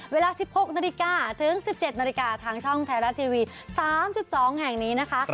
เวลา๑๖นถึง๑๗นทางช่องแทรวัตทีวี๓๒แห่งนี้นะคะ